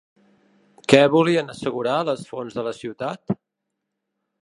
Què volien assegurar les fonts de la ciutat?